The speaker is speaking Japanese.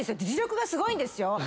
実力がすごいんですよ！